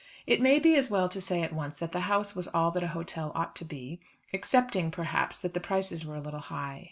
It may be as well to say at once that the house was all that an hotel ought to be, excepting, perhaps, that the prices were a little high.